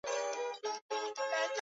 Mama yake ni dereva